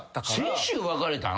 先週別れたん？